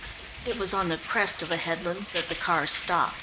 It was on the crest of a headland that the car stopped.